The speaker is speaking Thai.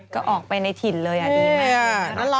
ก็ออกไปในถิ่นเลยอ่ะดีมากเลย